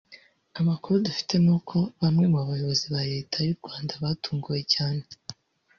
Amakuru dufite n’uko bamwe mu bayobozi ba Leta y’u Rwanda batunguwe cyane